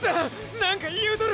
何か言うとる！